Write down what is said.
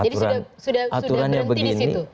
jadi sudah berhenti di situ